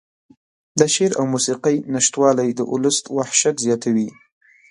د شعر او موسيقۍ نشتوالى د اولس وحشت زياتوي.